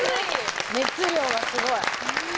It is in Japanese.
熱量がすごい。